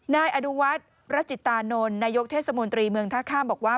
นายอนุวัฒน์รัจิตานนท์นายกเทศมนตรีเมืองท่าข้ามบอกว่า